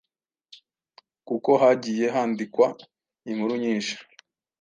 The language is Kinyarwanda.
kuko hagiye handikwa inkuru nyinshi